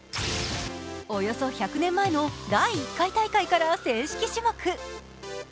およそ１００年前の第１回大会から正式種目。